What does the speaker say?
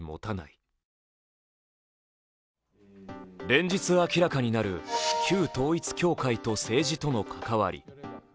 連日明らかになる旧統一教会と政治家との関わり。